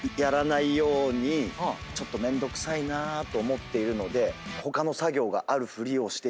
ちょっとめんどくさいなと思っているので。